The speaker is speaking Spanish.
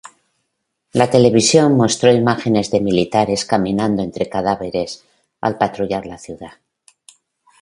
La televisión mostró imágenes de militares caminado entre cadáveres al patrullar la ciudad.